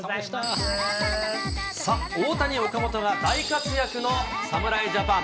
さあ、大谷、岡本が大活躍の侍ジャパン。